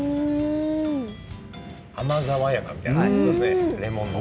甘爽やかという感じですね、レモンの。